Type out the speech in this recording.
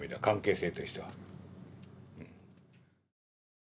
関係性としては。